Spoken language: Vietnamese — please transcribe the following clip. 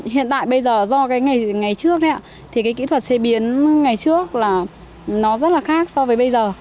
hiện tại bây giờ do cái ngày trước thì cái kỹ thuật chế biến ngày trước là nó rất là khác so với bây giờ